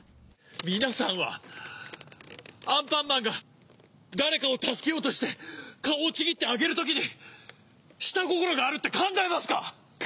皆さんはアンパンマンが誰かを助けようとして顔をちぎってあげる時に下心があるって考えますか